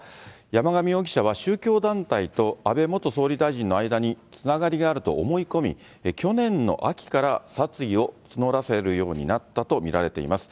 山上容疑者は、宗教団体と安倍元総理大臣の間につながりがあると思い込み、去年の秋から殺意を募らせるようになったと見られています。